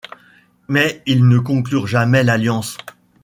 Mais ils ne conclurent jamais d'alliances.